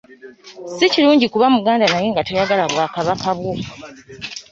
Si kirungi kuba Muganda naye nga toyagala bwakabaka bwo.